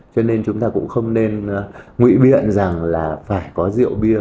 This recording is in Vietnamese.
cho nên chúng ta cũng không nên ngụy biện rằng là phải có rượu bia